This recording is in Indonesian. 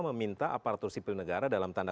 meminta aparatur sipil negara dalam tanda